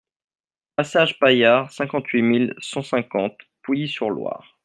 Passage Paillard, cinquante-huit mille cent cinquante Pouilly-sur-Loire